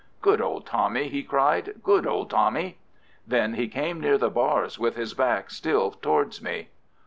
"Good old Tommy!" he cried. "Good old Tommy!" Then he came near the bars, with his back still towards me.